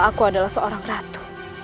aku adalah seorang ratu